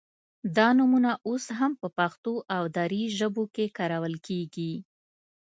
دا نومونه اوس هم په پښتو او دري ژبو کې کارول کیږي